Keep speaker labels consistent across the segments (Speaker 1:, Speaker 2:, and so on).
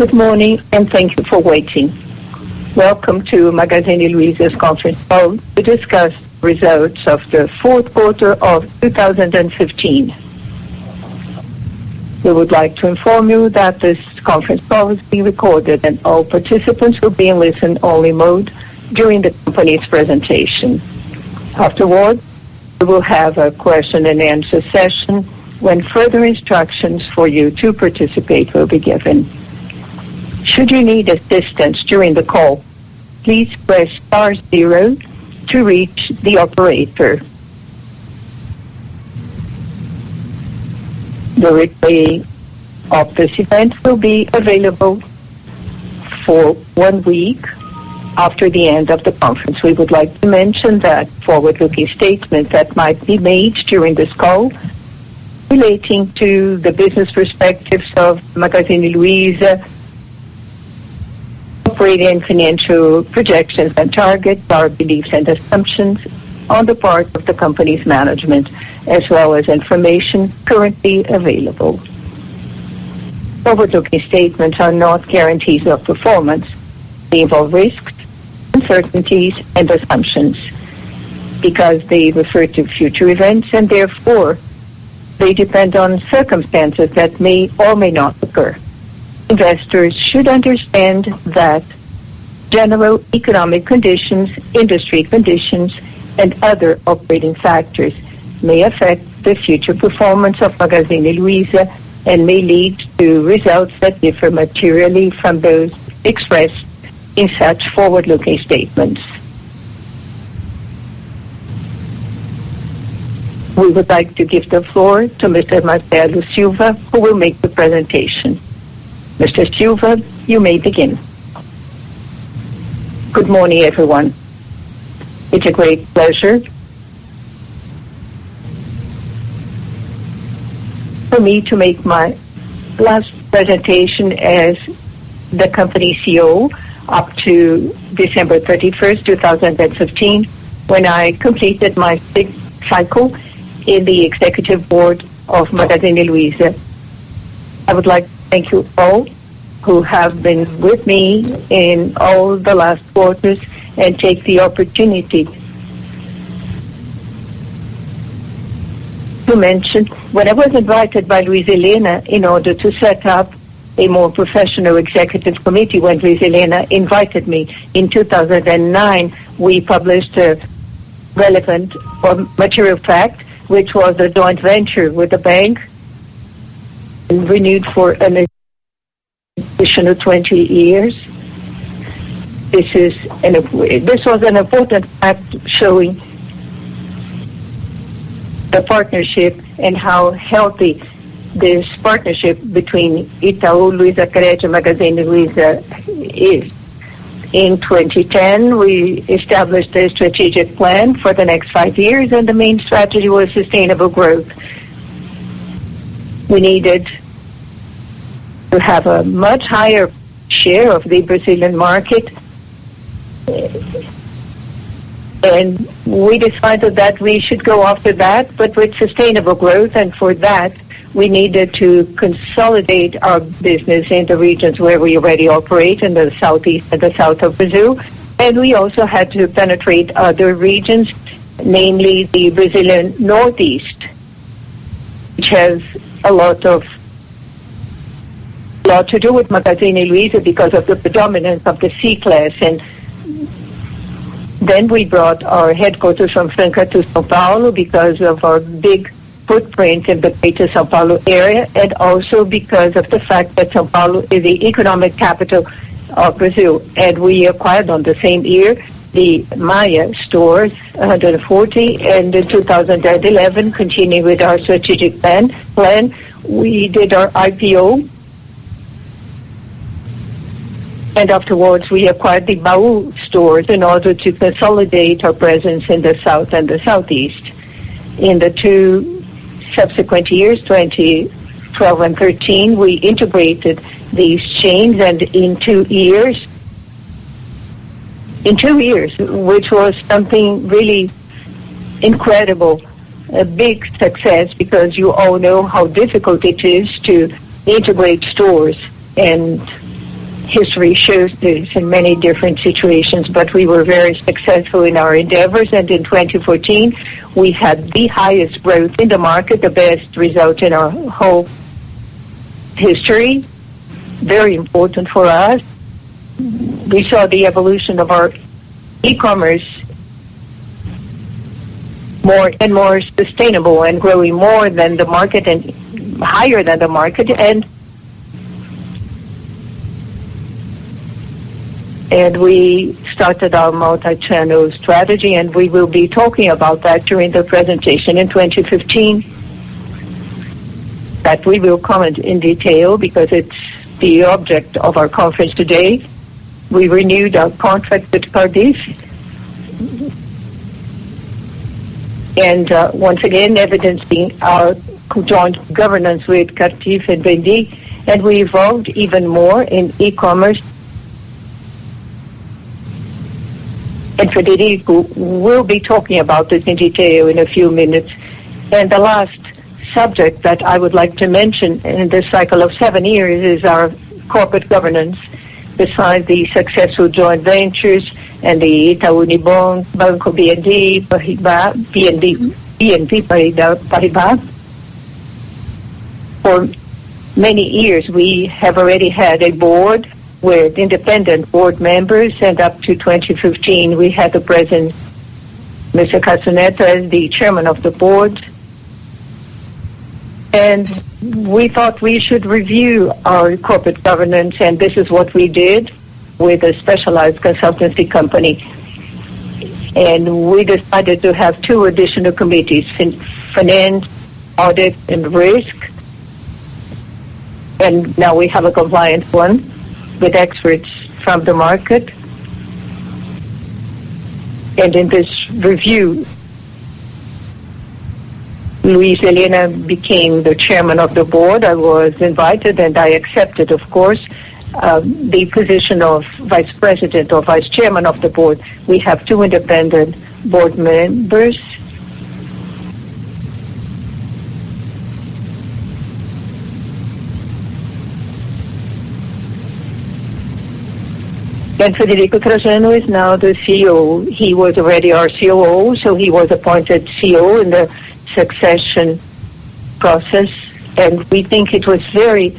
Speaker 1: Good morning. Thank you for waiting. Welcome to Magazine Luiza's conference call to discuss results of the fourth quarter of 2015. We would like to inform you that this conference call is being recorded and all participants will be in listen-only mode during the company's presentation. Afterward, we will have a question-and-answer session when further instructions for you to participate will be given. Should you need assistance during the call, please press star zero to reach the operator. The replay of this event will be available for one week after the end of the conference. We would like to mention that forward-looking statements that might be made during this call relating to the business perspectives of Magazine Luiza, operating and financial projections and targets, our beliefs and assumptions on the part of the company's management, as well as information currently available. Forward-looking statements are not guarantees of performance. They involve risks, uncertainties, and assumptions because they refer to future events and therefore, they depend on circumstances that may or may not occur. Investors should understand that general economic conditions, industry conditions, and other operating factors may affect the future performance of Magazine Luiza and may lead to results that differ materially from those expressed in such forward-looking statements. We would like to give the floor to Mr. Marcelo Silva, who will make the presentation. Mr. Silva, you may begin.
Speaker 2: Good morning, everyone. It's a great pleasure for me to make my last presentation as the company CEO up to December 31st, 2015, when I completed my sixth cycle in the executive board of Magazine Luiza. I would like to thank you all who have been with me in all the last quarters and take the opportunity to mention when I was invited by Luiza Helena in order to set up a more professional executive committee. When Luiza Helena invited me in 2009, we published a relevant material fact, which was a joint venture with a bank and renewed for an additional 20 years. This was an important act showing the partnership and how healthy this partnership between Itaú LuizaCred and Magazine Luiza is. In 2010, we established a strategic plan for the next five years. The main strategy was sustainable growth. We needed to have a much higher share of the Brazilian market. We decided that we should go after that, but with sustainable growth. For that, we needed to consolidate our business in the regions where we already operate in the southeast and the south of Brazil. We also had to penetrate other regions, namely the Brazilian northeast, which has a lot to do with Magazine Luiza because of the predominance of the C class. We brought our headquarters from Franca to São Paulo because of our big footprint in the greater São Paulo area, and also because of the fact that São Paulo is the economic capital of Brazil. We acquired on the same year, the Maia stores, 140. In 2011, continuing with our strategic plan, we did our IPO. Afterwards, we acquired the Baú stores in order to consolidate our presence in the south and the southeast. In the 2 subsequent years, 2012 and 2013, we integrated these chains, in 2 years, which was something really incredible, a big success because you all know how difficult it is to integrate stores, and history shows this in many different situations. We were very successful in our endeavors, and in 2014, we had the highest growth in the market, the best result in our whole history. Very important for us. We saw the evolution of our e-commerce more and more sustainable and growing more than the market and higher than the market. We started our multi-channel strategy, and we will be talking about that during the presentation in 2015. We will comment on in detail because it's the object of our conference today. We renewed our contract with Cardif, once again, evidencing our joint governance with Cardif and BNP Paribas, and we evolved even more in e-commerce. Frederico will be talking about this in detail in a few minutes. The last subject that I would like to mention in this cycle of seven years is our corporate governance. Besides the successful joint ventures and the Itaú Unibanco, Banco BNP Paribas. For many years, we have already had a board with independent board members, and up to 2015, we had the present Mr. Cassinetta, the chairman of the board. We thought we should review our corporate governance, and this is what we did with a specialized consultancy company. We decided to have two additional committees, finance, audit, and risk. Now we have a compliance one with experts from the market. In this review, Luiza Helena became the chairman of the board. I was invited, I accepted, of course, the position of vice president or vice chairman of the board. We have two independent board members. Frederico Trajano is now the CEO. He was already our COO, he was appointed CEO in the succession process. We think it was very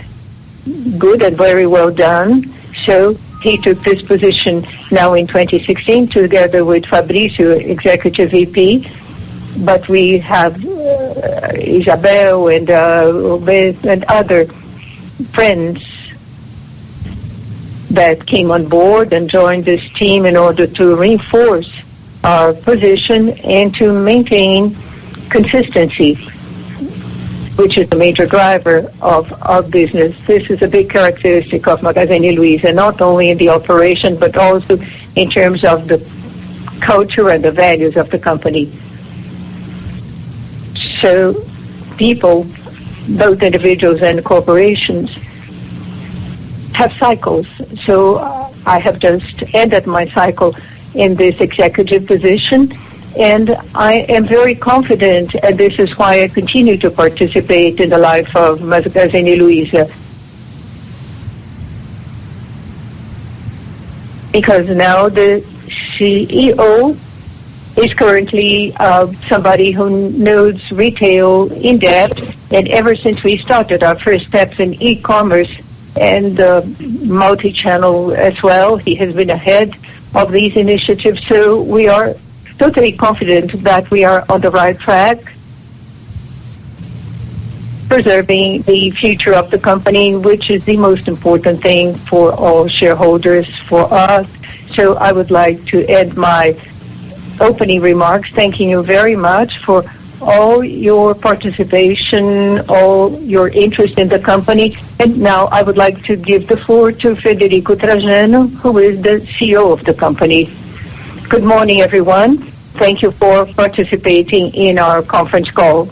Speaker 2: good and very well done. He took this position now in 2016 together with Fabrício, Executive VP. We have Isabel and other friends that came on board and joined this team in order to reinforce our position and to maintain consistency, which is the major driver of our business. This is a big characteristic of Magazine Luiza, not only in the operation, but also in terms of the culture and the values of the company. People, both individuals and corporations, have cycles. I have just ended my cycle in this executive position, I am very confident, this is why I continue to participate in the life of Magazine Luiza. Now the CEO is currently somebody who knows retail in-depth, ever since we started our first steps in e-commerce and multi-channel as well, he has been ahead of these initiatives. We are totally confident that we are on the right track preserving the future of the company, which is the most important thing for all shareholders, for us. I would like to end my opening remarks, thanking you very much for all your participation, all your interest in the company. Now I would like to give the floor to Frederico Trajano, who is the CEO of the company.
Speaker 3: Good morning, everyone. Thank you for participating in our conference call.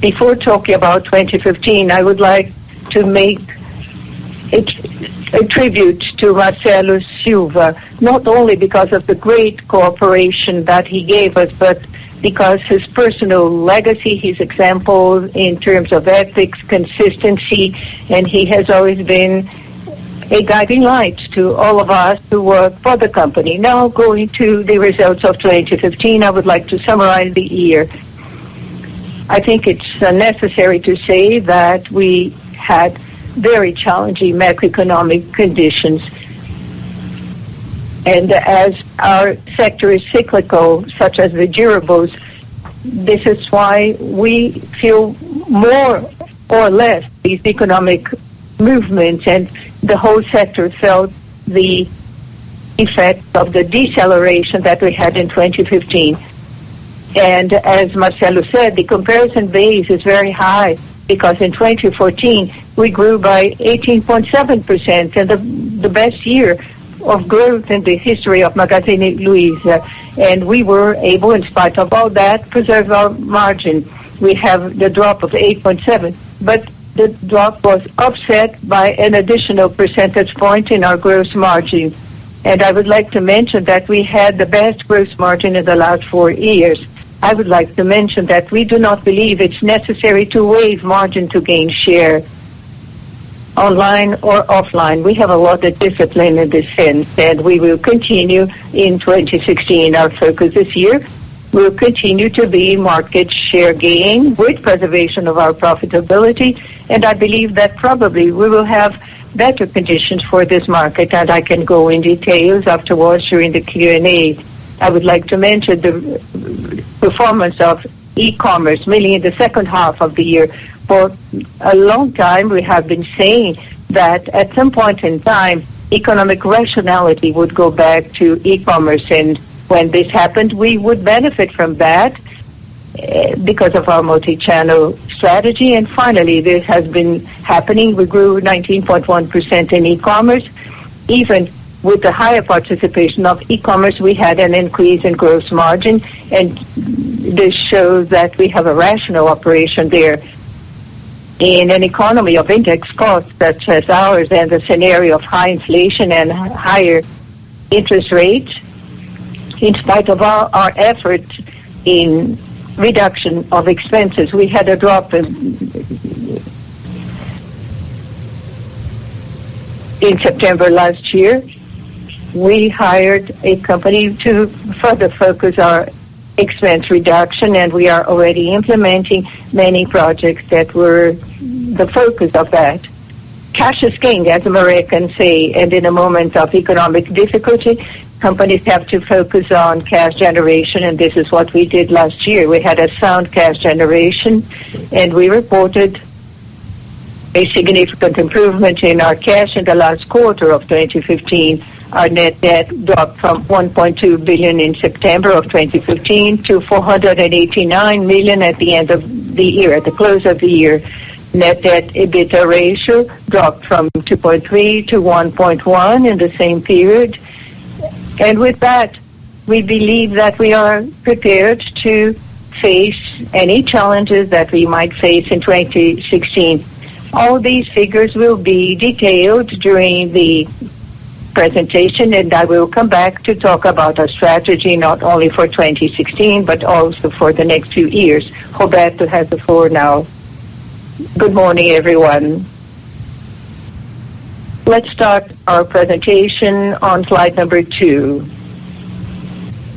Speaker 3: Before talking about 2015, I would like to make a tribute to Marcelo Silva, not only because of the great cooperation that he gave us, but because his personal legacy, his example in terms of ethics, consistency, he has always been a guiding light to all of us who work for the company. Going to the results of 2015, I would like to summarize the year. I think it's necessary to say that we had very challenging macroeconomic conditions. As our sector is cyclical, such as the durables, this is why we feel more or less these economic movements, the whole sector felt the effect of the deceleration that we had in 2015. As Marcelo said, the comparison base is very high because in 2014, we grew by 18.7%, the best year of growth in the history of Magazine Luiza. We were able, in spite of all that, preserve our margin. We have the drop of 8.7%, the drop was offset by an additional percentage point in our gross margin. I would like to mention that we had the best gross margin in the last four years. I would like to mention that we do not believe it's necessary to waive margin to gain share online or offline. We have a lot of discipline in this sense, we will continue in 2016. Our focus this year will continue to be market share gain with preservation of our profitability, I believe that probably we will have better conditions for this market, I can go in details afterwards during the Q&A. I would like to mention the performance of e-commerce, mainly in the second half of the year. For a long time, we have been saying that at some point in time, economic rationality would go back to e-commerce, when this happened, we would benefit from that because of our multi-channel strategy. Finally, this has been happening. We grew 19.1% in e-commerce. Even with the higher participation of e-commerce, we had an increase in gross margin, this shows that we have a rational operation there. In an economy of index costs such as ours, a scenario of high inflation and higher interest rate, in spite of all our effort in reduction of expenses, we had a drop in September last year. We hired a company to further focus our expense reduction, we are already implementing many projects that were the focus of that. Cash is king, as Americans say, in a moment of economic difficulty, companies have to focus on cash generation, this is what we did last year. We had a sound cash generation, we reported a significant improvement in our cash in the last quarter of 2015. Our net debt dropped from 1.2 billion in September of 2015 to 489 million at the end of the year, at the close of the year. Net debt EBITDA ratio dropped from 2.3 to 1.1 in the same period. With that, we believe that we are prepared to face any challenges that we might face in 2016. All these figures will be detailed during the presentation, I will come back to talk about our strategy not only for 2016, but also for the next few years. Roberto has the floor now.
Speaker 4: Good morning, everyone. Let's start our presentation on slide number two.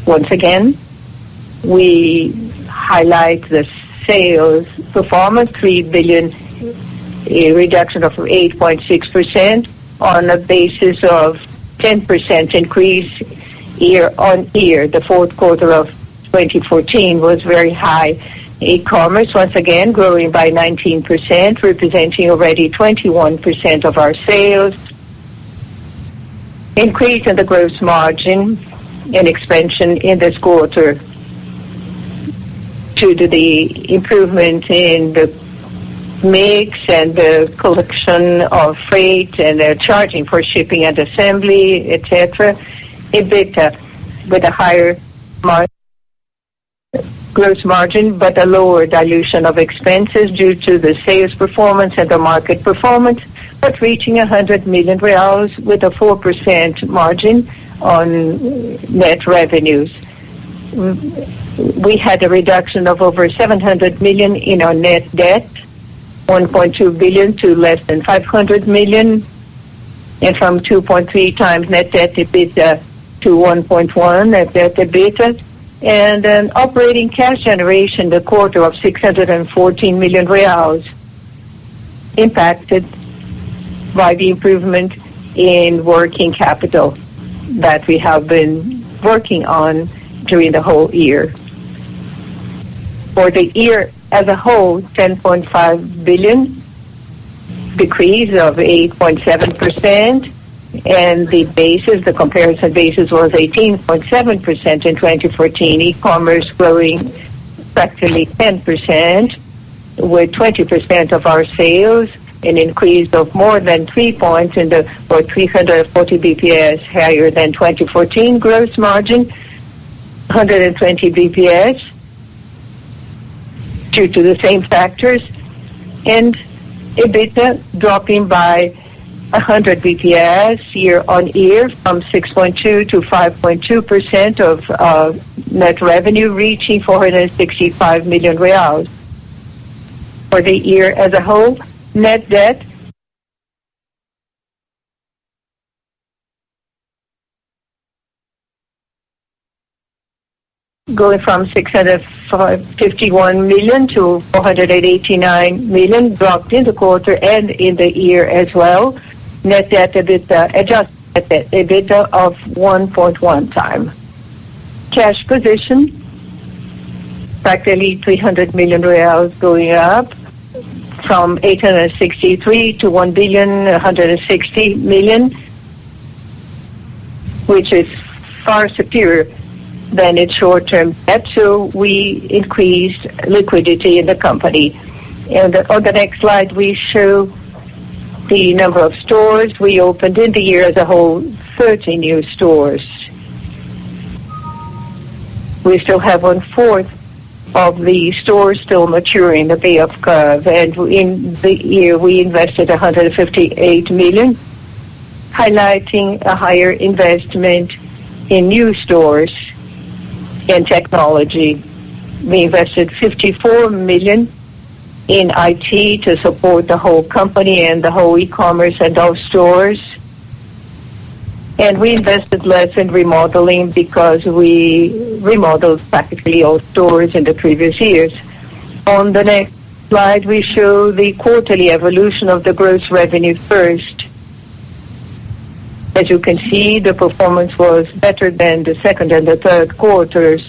Speaker 4: Once again, we highlight the sales performance, 3 billion, a reduction of 8.6% on a basis of 10% increase year-on-year. The fourth quarter of 2014 was very high. E-commerce, once again, growing by 19%, representing already 21% of our sales. Increase in the gross margin and expansion in this quarter due to the improvement in the mix and the collection of freight and the charging for shipping and assembly, et cetera. EBITDA with a higher gross margin, but a lower dilution of expenses due to the sales performance and the market performance, but reaching 100 million reais with a 4% margin on net revenues. We had a reduction of over 700 million in our net debt, 1.2 billion to less than 500 million, and from 2.3 times net debt to EBITDA to 1.1 net debt to EBITDA. An operating cash generation in the quarter of 614 million reais impacted by the improvement in working capital that we have been working on during the whole year. For the year as a whole, 10.5 billion, decrease of 8.7%, and the comparison basis was 18.7% in 2014. E-commerce growing practically 10% with 20% of our sales, an increase of more than 3 points or 340 basis points higher than 2014 gross margin, 120 basis points due to the same factors. EBITDA dropping by 100 basis points year-on-year from 6.2% to 5.2% of net revenue, reaching 465 million reais. For the year as a whole, net debt going from 651 million to 489 million dropped in the quarter and in the year as well. Net debt to EBITDA adjusted EBITDA of 1.1 time. Cash position practically 300 million reais going up from 863 million to BRL 1.16 billion, which is far superior than its short-term debt. We increased liquidity in the company. On the next slide, we show the number of stores we opened in the year as a whole, 30 new stores. We still have one-fourth of the stores still maturing at the curve. In the year, we invested 158 million, highlighting a higher investment in new stores and technology. We invested 54 million in IT to support the whole company and the whole e-commerce and all stores. We invested less in remodeling because we remodeled practically all stores in the previous years. On the next slide, we show the quarterly evolution of the gross revenue first. As you can see, the performance was better than the second and the third quarters,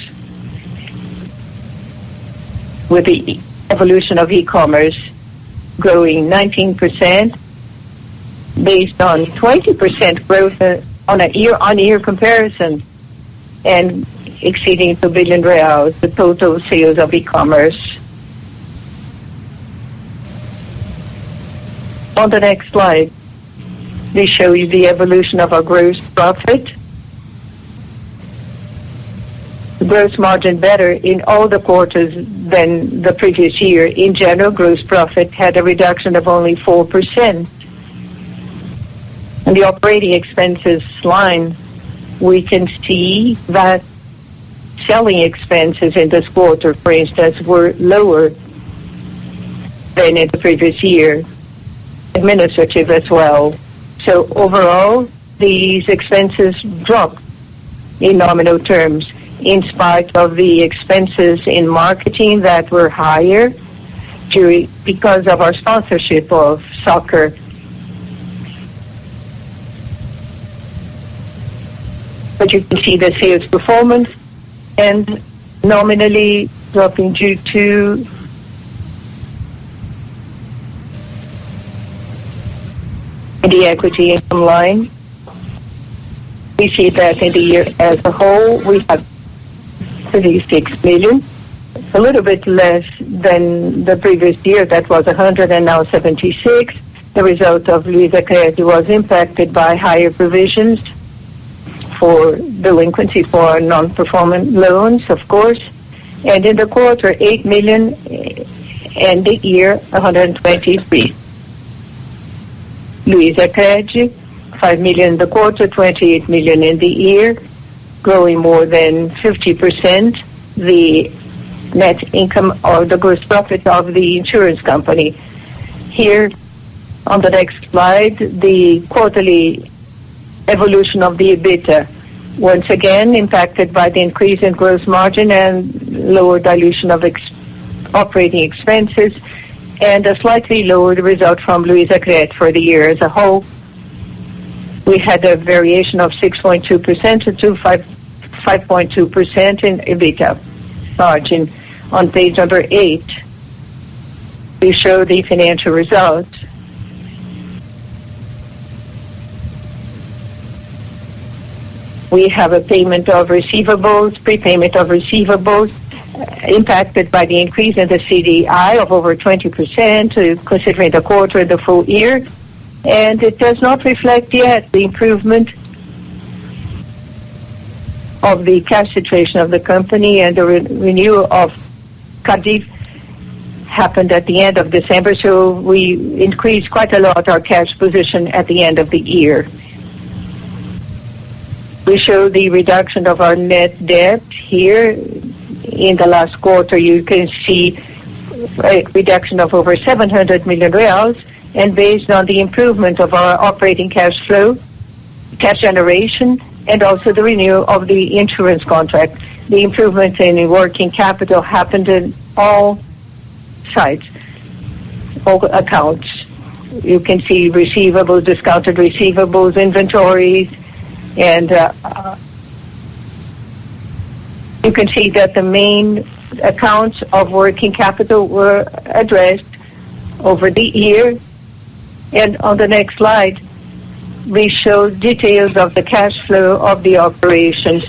Speaker 4: with the evolution of e-commerce growing 19% based on 20% growth on a year-on-year comparison and exceeding 2 billion reais, the total sales of e-commerce. On the next slide, we show you the evolution of our gross profit. The gross margin better in all the quarters than the previous year. In general, gross profit had a reduction of only 4%. In the operating expenses line, we can see that selling expenses in this quarter, for instance, were lower than in the previous year, administrative as well. Overall, these expenses dropped in nominal terms in spite of the expenses in marketing that were higher because of our sponsorship of soccer. You can see the sales performance and nominally dropping due to the equity income line. We see that in the year as a whole, we have 36 million, a little bit less than the previous year. That was 100, and now 76. The result of LuizaCred was impacted by higher provisions for delinquency for non-performing loans, of course. In the quarter, 8 million, and the year, 123. LuizaCred, 5 million in the quarter, 28 million in the year, growing more than 50%. The net income or the gross profit of the insurance company. On the next slide, the quarterly evolution of the EBITDA, once again impacted by the increase in gross margin and lower dilution of operating expenses and a slightly lower result from LuizaCred for the year as a whole. We had a variation of 6.2%-5.2% in EBITDA margin. On page number eight, we show the financial results. We have a prepayment of receivables impacted by the increase in the CDI of over 20%, considering the quarter and the full year. It does not reflect yet the improvement of the cash situation of the company and the renewal of Cardif happened at the end of December, so we increased quite a lot our cash position at the end of the year. We show the reduction of our net debt here. In the last quarter, you can see a reduction of over 700 million reais, based on the improvement of our operating cash flow, cash generation, and also the renewal of the insurance contract. The improvements in the working capital happened in all sites, all accounts. You can see receivables, discounted receivables, inventories. You can see that the main accounts of working capital were addressed over the year. On the next slide, we show details of the cash flow of the operations.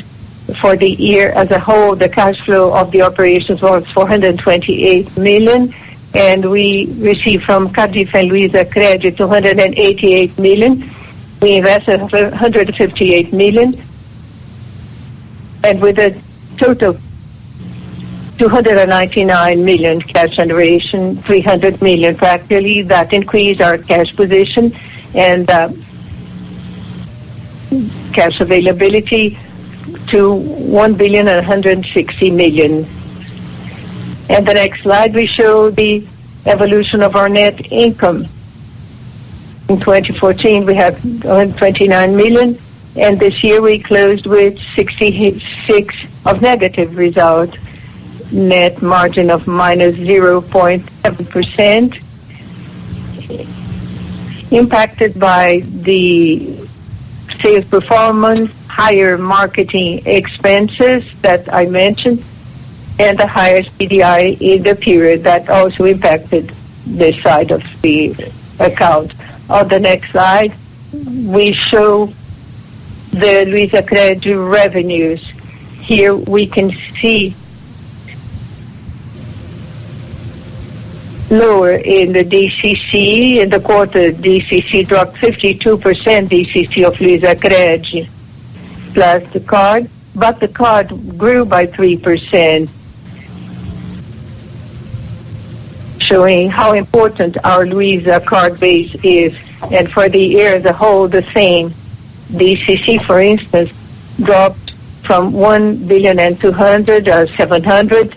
Speaker 4: For the year as a whole, the cash flow of the operations was 428 million, and we received from Cardif and LuizaCred 288 million. We invested 158 million, and with a total 299 million cash generation, 300 million practically, that increased our cash position and cash availability to 1 billion and 160 million. In the next slide, we show the evolution of our net income. In 2014, we had 129 million, and this year we closed with 66 of negative result. Net margin of minus 0.7%, impacted by the sales performance, higher marketing expenses that I mentioned, and the higher CDI in the period that also impacted this side of the account. On the next slide, we show the LuizaCred revenues. We can see lower in the CDC in the quarter. CDC dropped 52%, CDC of LuizaCred, plus the card, but the card grew by 3%, showing how important our Luiza Card base is. For the year as a whole, the same. CDC, for instance, dropped from [1,200,700,000].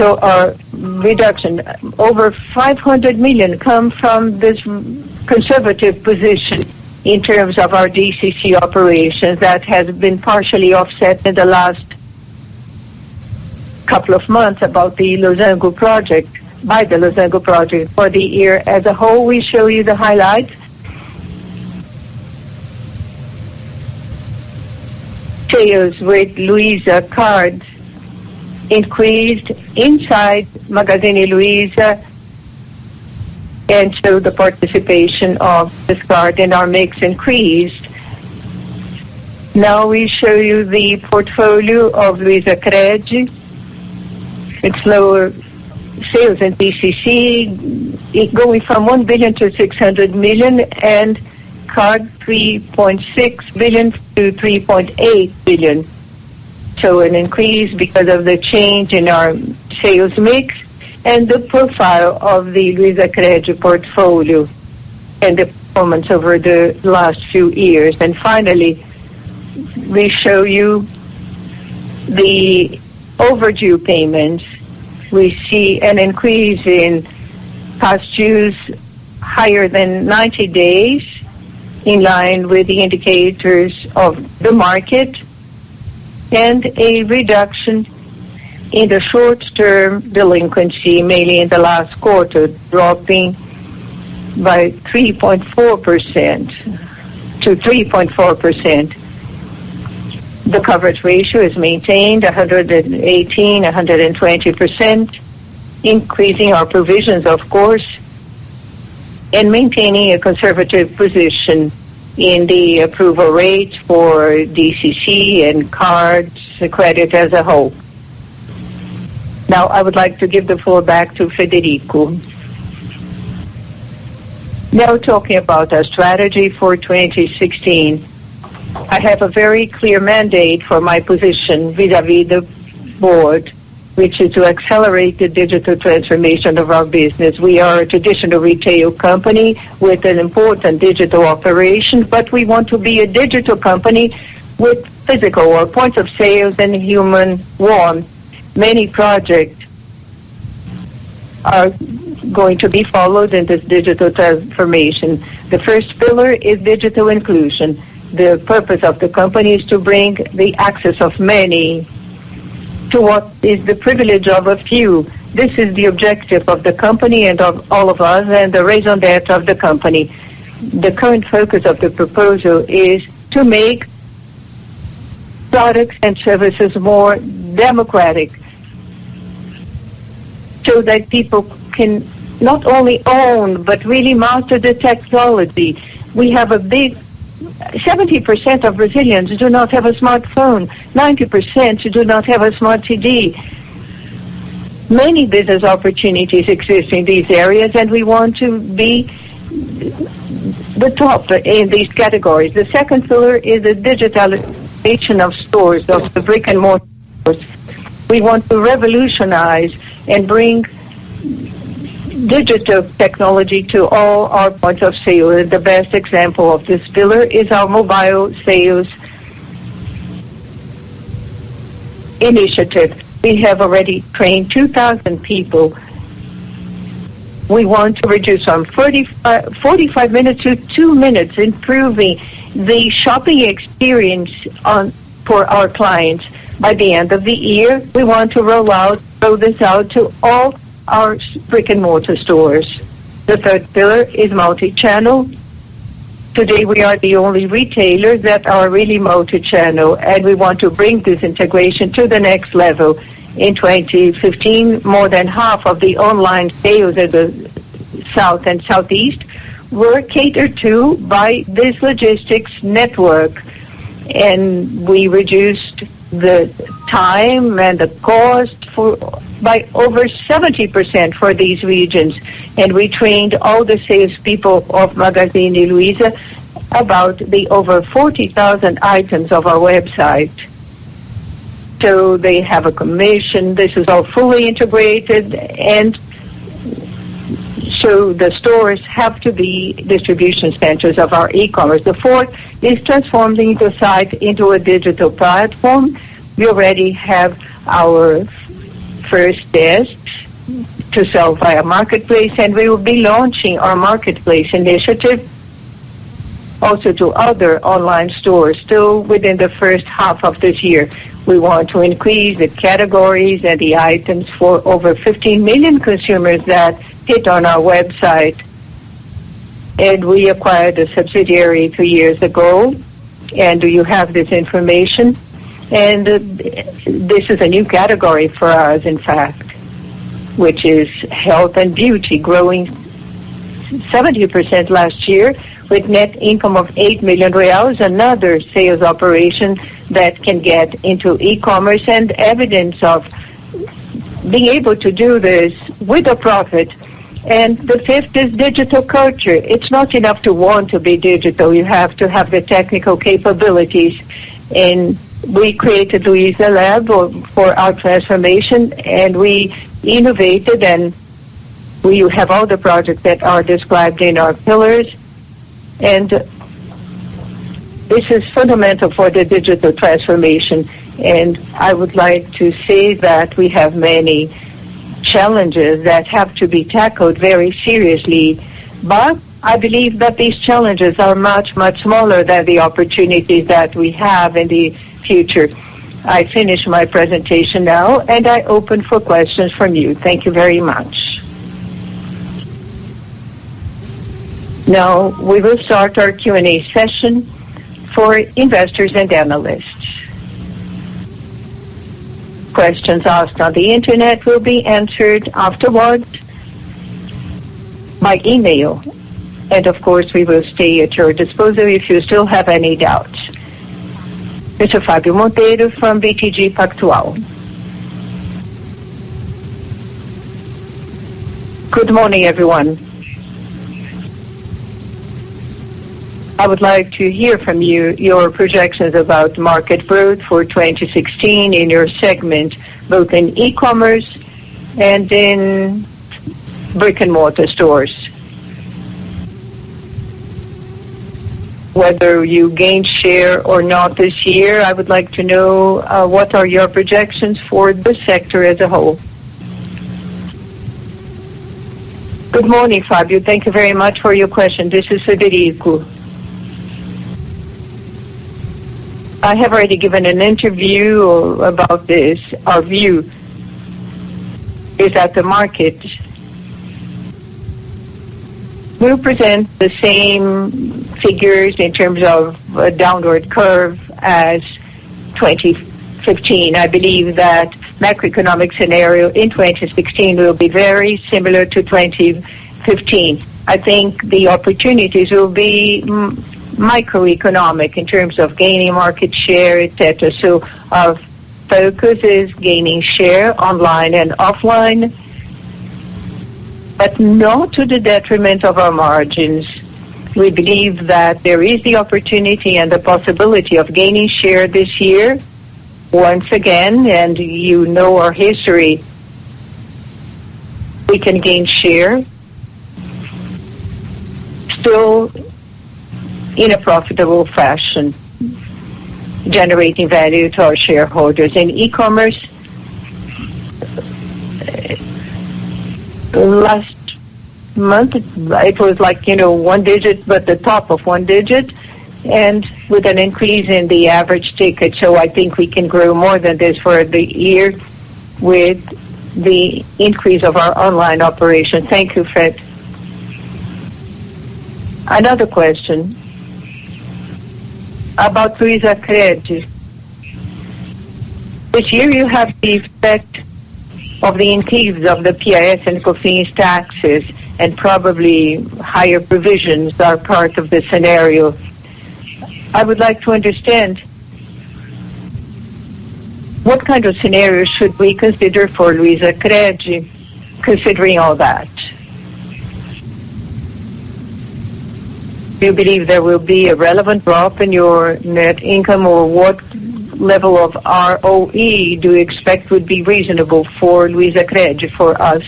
Speaker 4: Our reduction, over 500 million, come from this conservative position in terms of our CDC operations that has been partially offset in the last couple of months by the Losango project. For the year as a whole, we show you the highlights. Sales with Luiza Card increased inside Magazine Luiza. The participation of this card in our mix increased. Now we show you the portfolio of LuizaCred. It's lower sales in CDC, going from 1 billion to 600 million, and card 3.6 billion to 3.8 billion. An increase because of the change in our sales mix and the profile of the LuizaCred portfolio and the performance over the last few years. Finally, we show you the overdue payments. We see an increase in past dues higher than 90 days, in line with the indicators of the market, and a reduction in the short-term delinquency, mainly in the last quarter, dropping by 3.4% to 3.4%. The coverage ratio is maintained 118, 120%, increasing our provisions, of course, and maintaining a conservative position in the approval rates for CDC and cards credit as a whole. I would like to give the floor back to Frederico.
Speaker 3: Talking about our strategy for 2016. I have a very clear mandate for my position vis-a-vis the board, which is to accelerate the digital transformation of our business. We are a traditional retail company with an important digital operation, we want to be a digital company with physical or point of sales and human warmth. Many projects are going to be followed in this digital transformation. The first pillar is digital inclusion. The purpose of the company is to bring the access of many to what is the privilege of a few. This is the objective of the company and of all of us, and the raison d'être of the company. The current focus of the proposal is to make products and services more democratic so that people can not only own, but really master the technology. 70% of Brazilians do not have a smartphone, 90% do not have a smart TV. Many business opportunities exist in these areas, we want to be the top in these categories. The second pillar is the digitalization of stores, of the brick-and-mortar stores. We want to revolutionize and bring digital technology to all our points of sale, the best example of this pillar is our mobile sales initiative. We have already trained 2,000 people. We want to reduce from 45 minutes to two minutes, improving the shopping experience for our clients. By the end of the year, we want to roll this out to all our brick-and-mortar stores. The third pillar is multi-channel. Today, we are the only retailer that are really multi-channel, we want to bring this integration to the next level. In 2015, more than half of the online sales in the South and Southeast were catered to by this logistics network, we reduced the time and the cost by over 70% for these regions. We trained all the salespeople of Magazine Luiza about the over 40,000 items of our website. They have a commission. This is all fully integrated, the stores have to be distribution centers of our e-commerce. The fourth is transforming the site into a digital platform. We already have our first test to sell via marketplace, we will be launching our marketplace initiative also to other online stores still within the first half of this year. We want to increase the categories and the items for over 15 million consumers that hit on our website, we acquired a subsidiary two years ago, you have this information. This is a new category for us, in fact, which is health and beauty, growing 70% last year with net income of 8 million reais, another sales operation that can get into e-commerce and evidence of being able to do this with a profit. The fifth is digital culture. It is not enough to want to be digital. You have to have the technical capabilities, and we created Luiza Labs for our transformation, and we innovated, and we have all the projects that are described in our pillars. This is fundamental for the digital transformation, and I would like to say that we have many challenges that have to be tackled very seriously. I believe that these challenges are much, much smaller than the opportunities that we have in the future. I finish my presentation now, and I open for questions from you. Thank you very much.
Speaker 1: Now we will start our Q&A session for investors and analysts. Questions asked on the internet will be answered afterwards by email. Of course, we will stay at your disposal if you still have any doubts. Mr. Fabio Monteiro from BTG Pactual.
Speaker 5: Good morning, everyone. I would like to hear from you your projections about market growth for 2016 in your segment, both in e-commerce and in brick-and-mortar stores. Whether you gained share or not this year, I would like to know what are your projections for the sector as a whole.
Speaker 3: Good morning, Fabio. Thank you very much for your question. This is Frederico. I have already given an interview about this. Our view is that the market will present the same figures in terms of a downward curve as 2015. I believe that macroeconomic scenario in 2016 will be very similar to 2015. I think the opportunities will be microeconomic in terms of gaining market share, et cetera. Our focus is gaining share online and offline, but not to the detriment of our margins. We believe that there is the opportunity and the possibility of gaining share this year. Once again, and you know our history, we can gain share still in a profitable fashion, generating value to our shareholders. In e-commerce, last month it was one digit, but the top of one digit, and with an increase in the average ticket. I think we can grow more than this for the year with the increase of our online operation.
Speaker 5: Thank you, Fred. Another question about LuizaCred. This year you have the effect of the increase of the PIS and COFINS taxes, and probably higher provisions are part of the scenario. I would like to understand, what kind of scenarios should we consider for LuizaCred considering all that? Do you believe there will be a relevant drop in your net income, or what level of ROE do you expect would be reasonable for LuizaCred for us?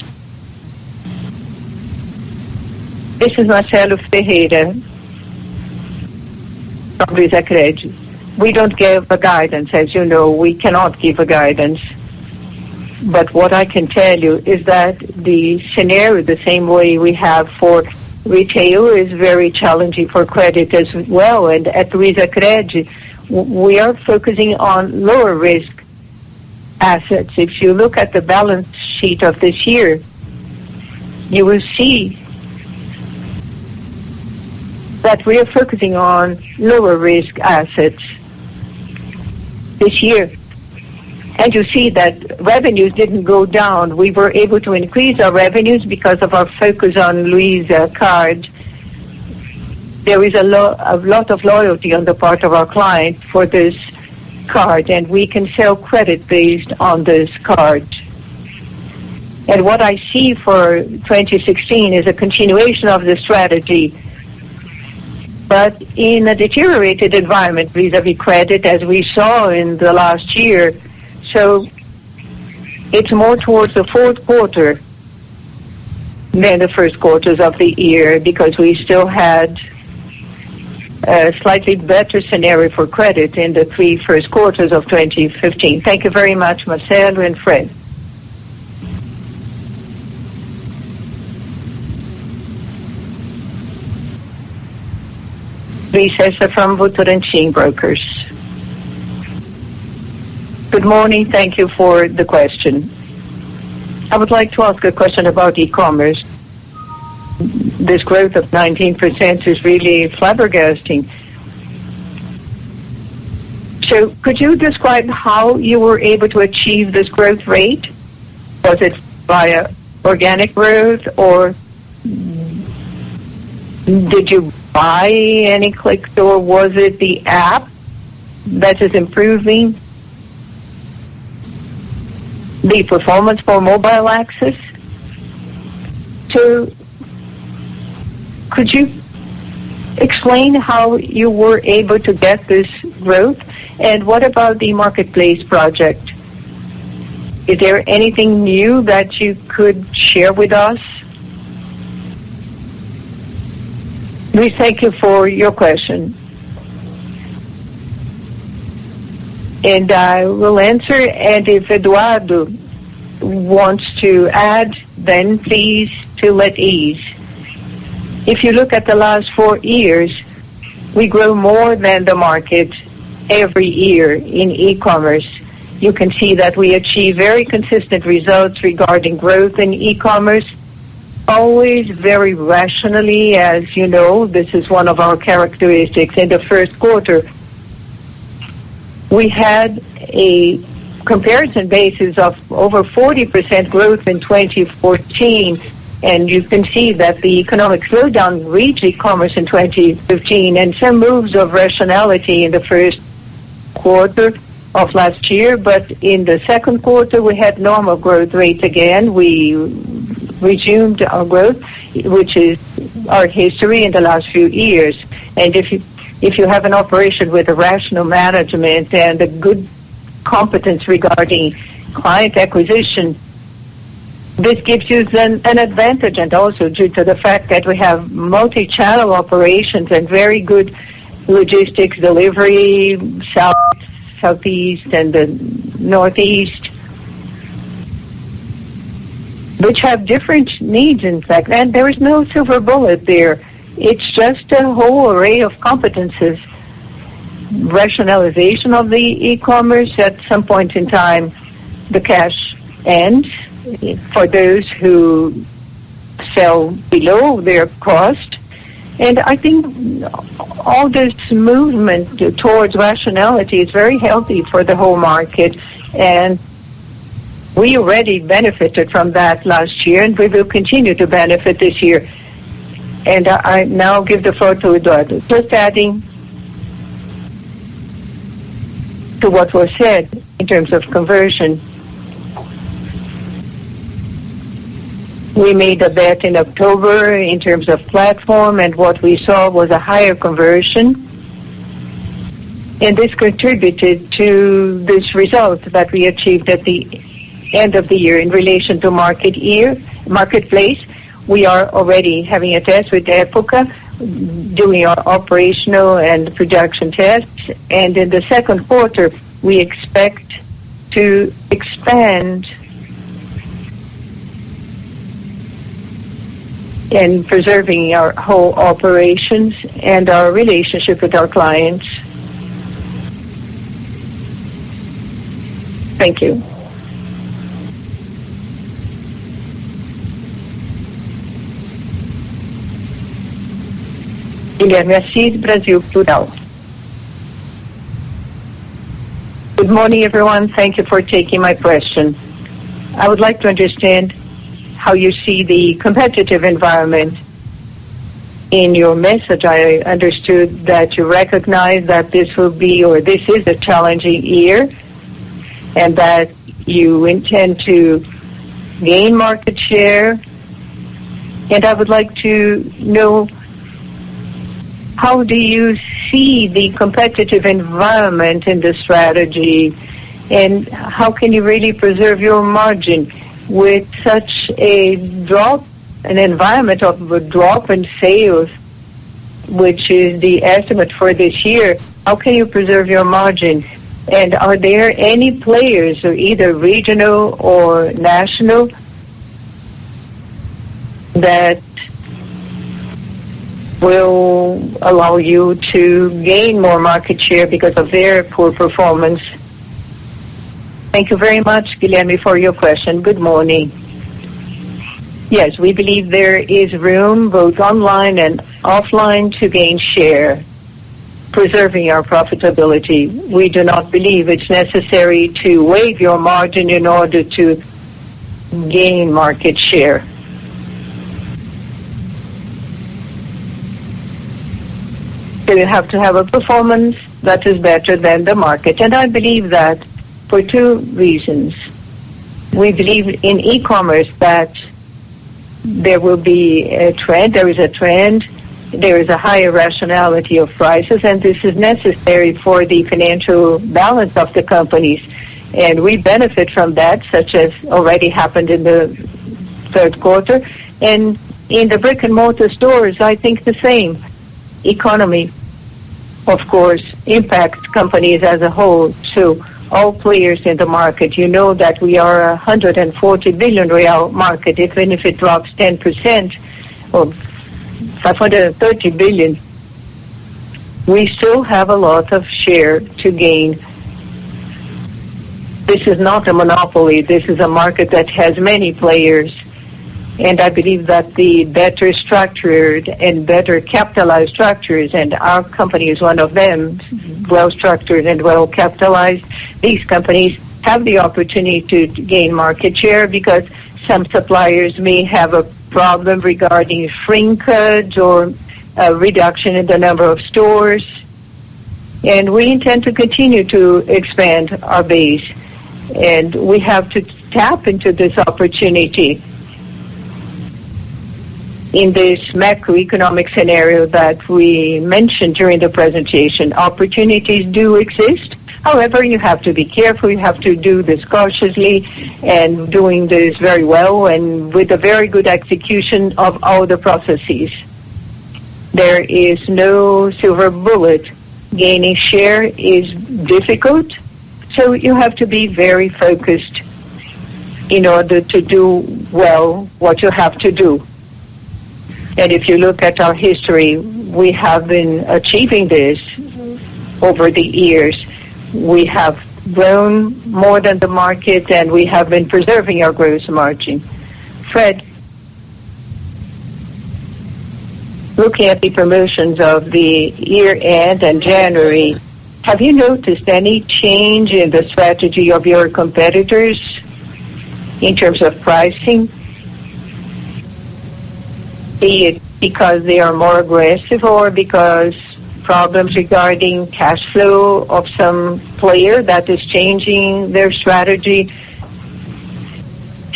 Speaker 2: This is Marcelo Ferreira from LuizaCred. We don't give a guidance, as you know. We cannot give a guidance. What I can tell you is that the scenario, the same way we have for retail, is very challenging for credit as well. At LuizaCred, we are focusing on lower risk assets. If you look at the balance sheet of this year, you will see that we are focusing on lower risk assets this year. You see that revenues didn't go down. We were able to increase our revenues because of our focus on Luiza Card. There is a lot of loyalty on the part of our client for this card, and we can sell credit based on this card. What I see for 2016 is a continuation of the strategy, in a deteriorated environment vis-a-vis credit, as we saw in the last year. It's more towards the fourth quarter than the first quarters of the year because we still had a slightly better scenario for credit in the three first quarters of 2015.
Speaker 1: Thank you very much, Marcelo and Fred. [Lisa] from Votorantim [Bankers].
Speaker 6: Good morning. Thank you for the question. I would like to ask a question about e-commerce. This growth of 19% is really flabbergasting. Could you describe how you were able to achieve this growth rate?
Speaker 3: Was it via organic growth, or did you buy any clicks, or was it the app that is improving the performance for mobile access? Could you explain how you were able to get this growth? What about the marketplace project? Is there anything new that you could share with us? We thank you for your question. I will answer, if Eduardo wants to add, please feel at ease. If you look at the last four years, we grow more than the market every year in e-commerce. You can see that we achieve very consistent results regarding growth in e-commerce, always very rationally. As you know, this is one of our characteristics. In the first quarter, we had a comparison basis of over 40% growth in 2014. You can see that the economic slowdown reached e-commerce in 2015, some moves of rationality in the first quarter of last year. In the second quarter, we had normal growth rates again. We resumed our growth, which is our history in the last few years. If you have an operation with a rational management and a good competence regarding client acquisition, this gives you an advantage. Also due to the fact that we have multi-channel operations and very good logistics delivery, South, Southeast, and the Northeast, which have different needs, in fact. There is no silver bullet there. It's just a whole array of competencies. Rationalization of the e-commerce, at some point in time, the cash ends for those who sell below their cost. I think all this movement towards rationality is very healthy for the whole market, we already benefited from that last year, we will continue to benefit this year. I now give the floor to Eduardo. Just adding to what was said in terms of conversion. We made a bet in October in terms of platform, what we saw was a higher conversion. This contributed to this result that we achieved at the end of the year in relation to marketplace. We are already having a test with the Época, doing our operational and production tests. In the second quarter, we expect to expand in preserving our whole operations and our relationship with our clients. Thank you.
Speaker 1: Guilherme Assis, Brasil Plural.
Speaker 7: Good morning, everyone. Thank you for taking my question. I would like to understand how you see the competitive environment. In your message, I understood that you recognize that this will be, or this is a challenging year, that you intend to gain market share. I would like to know how do you see the competitive environment in the strategy, how can you really preserve your margin? With such an environment of a drop in sales, which is the estimate for this year, how can you preserve your margin? Are there any players who are either regional or national that will allow you to gain more market share because of their poor performance?
Speaker 3: Thank you very much, Guilherme, for your question. Good morning. Yes, we believe there is room, both online and offline, to gain share, preserving our profitability. We do not believe it's necessary to waive your margin in order to gain market share. You have to have a performance that is better than the market. I believe that for two reasons. We believe in e-commerce that there will be a trend. There is a trend. There is a higher rationality of prices, this is necessary for the financial balance of the companies. We benefit from that, such as already happened in the third quarter. In the brick-and-mortar stores, I think the same. Economy, of course, impacts companies as a whole, all players in the market. You know that we are a 140 billion real market. Even if it drops 10%, or 530 billion, we still have a lot of share to gain. This is not a monopoly. This is a market that has many players. I believe that the better structured and better capitalized structures, and our company is one of them, well-structured and well-capitalized. These companies have the opportunity to gain market share because some suppliers may have a problem regarding shrinkers or a reduction in the number of stores. We intend to continue to expand our base, we have to tap into this opportunity. In this macroeconomic scenario that we mentioned during the presentation, opportunities do exist. However, you have to be careful. You have to do this cautiously and doing this very well and with a very good execution of all the processes. There is no silver bullet. Gaining share is difficult, you have to be very focused in order to do well what you have to do. If you look at our history, we have been achieving this over the years. We have grown more than the market, we have been preserving our gross margin.
Speaker 7: Fred, looking at the promotions of the year-end and January, have you noticed any change in the strategy of your competitors in terms of pricing? Be it because they are more aggressive or because problems regarding cash flow of some player that is changing their strategy.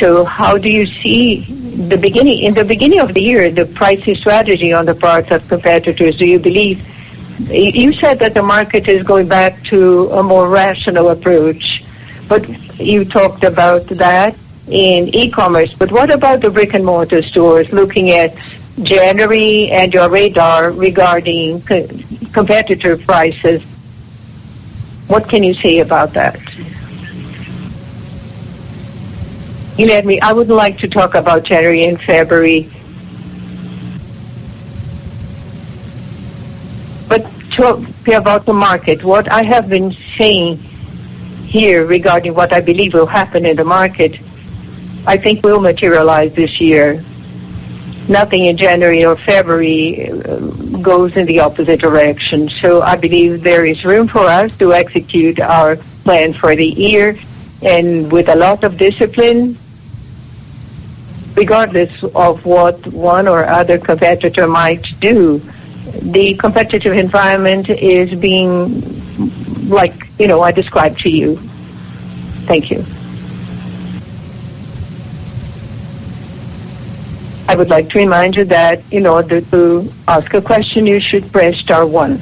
Speaker 7: How do you see, in the beginning of the year, the pricing strategy on the part of competitors? You said that the market is going back to a more rational approach, you talked about that in e-commerce. What about the brick-and-mortar stores, looking at January and your radar regarding competitor prices? What can you say about that?
Speaker 3: You know me, I would like to talk about January and February. Talking about the market, what I have been saying here regarding what I believe will happen in the market, I think will materialize this year. Nothing in January or February goes in the opposite direction. I believe there is room for us to execute our plan for the year, and with a lot of discipline, regardless of what one or other competitor might do. The competitive environment is being like I described to you.
Speaker 7: Thank you.
Speaker 1: I would like to remind you that in order to ask a question, you should press star one.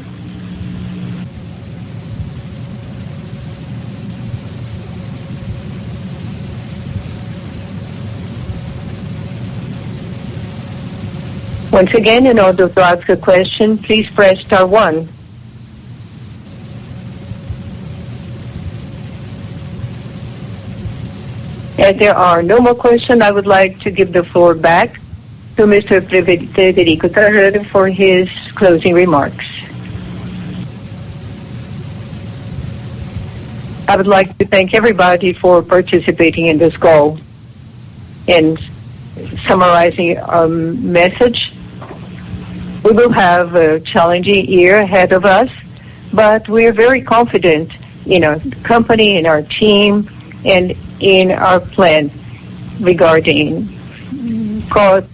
Speaker 1: Once again, in order to ask a question, please press star one. As there are no more questions, I would like to give the floor back to Mr. Frederico Trajano for his closing remarks.
Speaker 3: I would like to thank everybody for participating in this call. In summarizing our message, we will have a challenging year ahead of us. We are very confident in our company, in our team, and in our plan regarding costs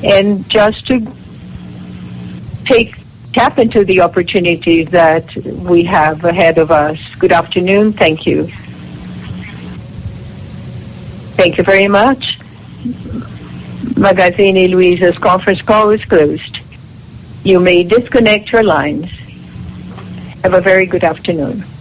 Speaker 3: and just to tap into the opportunity that we have ahead of us. Good afternoon. Thank you.
Speaker 1: Thank you very much. Magazine Luiza's conference call is closed. You may disconnect your lines. Have a very good afternoon.